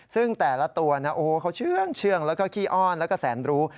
ซึ่งแต่ละตัวนะโอ้โหเขาเชื่องแล้วก็ขี้อ้อนแล้วก็แสนรู้